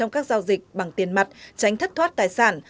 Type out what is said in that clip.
các giao dịch bằng tiền mặt tránh thất thoát tài sản